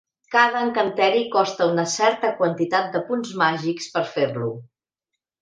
Cada encanteri costa una certa quantitat de punts màgics per fer-lo.